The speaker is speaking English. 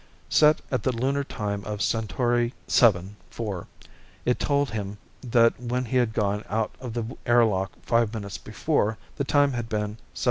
Set at the lunar time of Centauri VII 4, it told him that when he had gone out of the airlock five minutes before the time had been 17:36.